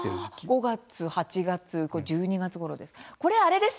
５月、８月これ１２月ごろです。